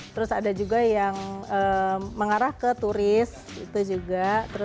terus ada juga yang mengarah ke turis itu juga